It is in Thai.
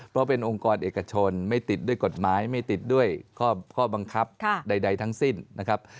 เพราะเป็นองค์กรเอกชนไม่ติดด้วยกฎหมายไม่ติดด้วยข้อบังคับใดทั้งสิ้นนะครับ